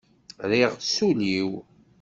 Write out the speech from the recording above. Rriɣ s ul-iw.